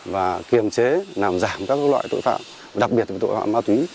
và kiềm chế làm giảm các loại tội phạm đặc biệt là tội phạm ma túy